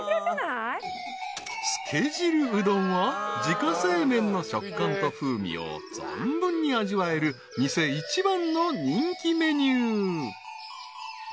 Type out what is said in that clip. ［自家製麺の食感と風味を存分に味わえる店一番の人気メニュー］